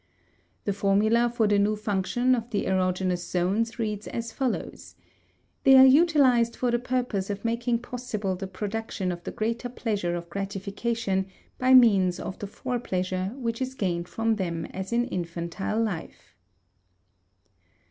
The formula for the new function of the erogenous zones reads as follows: they are utilized for the purpose of making possible the production of the greater pleasure of gratification by means of the fore pleasure which is gained from them as in infantile life.